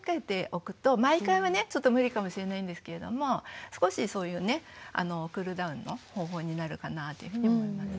毎回はねちょっと無理かもしれないんですけれども少しそういうねクールダウンの方法になるかなというふうに思います。